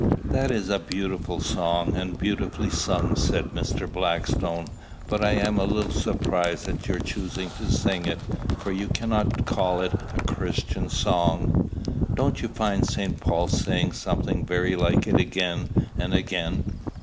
"That is a beautiful song, and beautifully sung," said Mr. Blackstone; "but I am a little surprised at your choosing to sing it, for you cannot call it a Christian song." "Don't you find St. Paul saying something very like it again and again?"